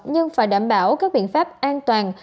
nhưng phải đảm bảo các biện pháp an toàn